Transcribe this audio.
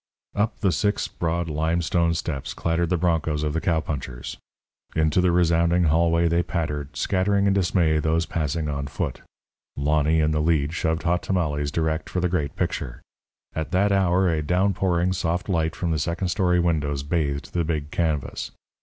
Up the six broad, limestone steps clattered the broncos of the cowpunchers. Into the resounding hallway they pattered, scattering in dismay those passing on foot. Lonny, in the lead, shoved Hot Tamales direct for the great picture. At that hour a downpouring, soft light from the second story windows bathed the big canvas.